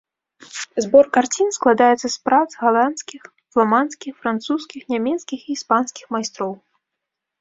Збор карцін складаецца з прац галандскіх, фламандскіх, французскіх, нямецкіх і іспанскіх майстроў.